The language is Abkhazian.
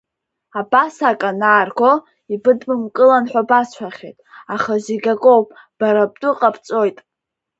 Абас ак анаарго ибыдбымкылан ҳәа басҳәахьеит, аха зегь акоуп бара бтәы ҟабҵоит.